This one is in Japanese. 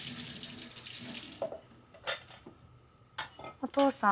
お父さん。